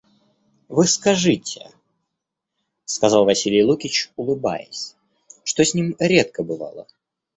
Вы скажите, — сказал Василий Лукич улыбаясь, что с ним редко бывало.